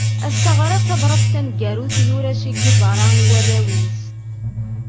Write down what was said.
Ass-a ɣriɣ tabrat taneggarut yura Che Guevara i warraw-is.